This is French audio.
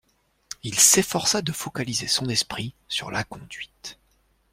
Il s’efforça de focaliser son esprit sur la conduite.